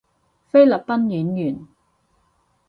菲律賓演員